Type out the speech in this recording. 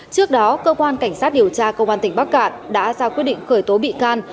trước đó cơ quan cảnh sát điều tra công an tỉnh bắc cạn đã ra quyết định khởi tố bị can